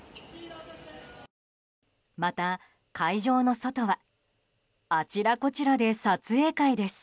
また、会場の外はあちらこちらで撮影会です。